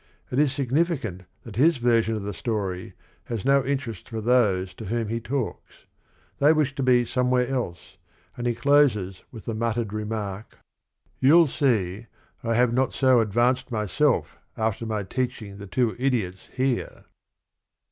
It is significant that his version of the story has no interest for those to whom he talks. They wish to be somewhere else, and he closes with the muttered remark "You '11 see, I have not so advanced myself, After my teaching the two idiots here